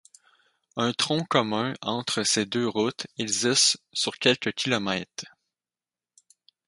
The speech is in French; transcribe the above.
Un tronc commun entre ces deux routes existe sur quelques kilomètres.